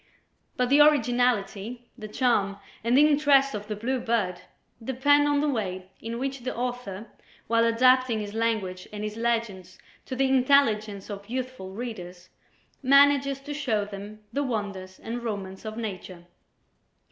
But the originality, the charm and the interest of "The Blue Bird" depend on the way in which the author, while adapting his language and his legends to the intelligence of youthful readers, manages to show them the wonders and romance of Nature.